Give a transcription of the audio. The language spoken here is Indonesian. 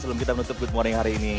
sebelum kita menutup good morning hari ini